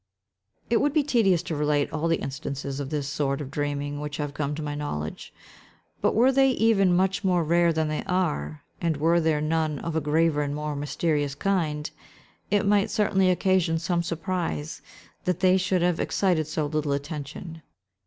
It would be tedious to relate all the instances of this sort of dreaming which have come to my knowledge, but were they even much more rare than they are, and were there none of a graver and more mysterious kind, it might certainly occasion some surprise that they should have excited so little attention.